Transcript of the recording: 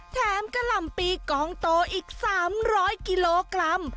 กะหล่ำปีกองโตอีก๓๐๐กิโลกรัม